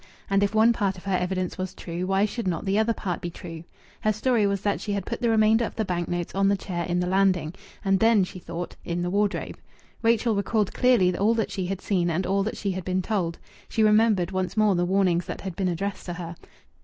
And if one part of her evidence was true, why should not the other part be true? Her story was that she had put the remainder of the bank notes on the chair on the landing, and then (she thought) in the wardrobe. Rachel recalled clearly all that she had seen and all that she had been told. She remembered once more the warnings that had been addressed to her.